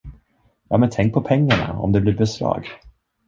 Ja, men tänk på pengarna, om det blir beslag!